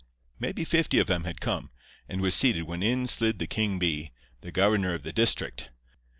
"Maybe fifty of 'em had come, and was seated, when in slid the king bee, the governor of the district.